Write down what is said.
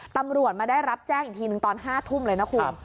ตำรวจมาได้รับแจ้งอีกทีหนึ่งตอน๕ทุ่มเลยนะคุณ